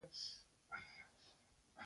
کروندګر د کښت په ټولو پړاوونو کې بوخت دی